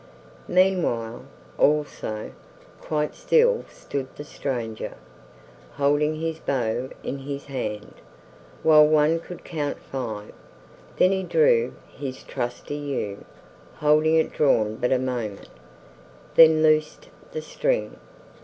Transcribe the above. Meanwhile, also, quite still stood the stranger, holding his bow in his hand, while one could count five; then he drew his trusty yew, holding it drawn but a moment, then loosed the string.